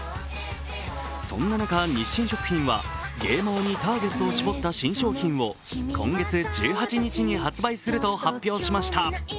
そんな中、日清食品はゲーマーにターゲットを絞った新商品を今月１８日に発売すると発表しました。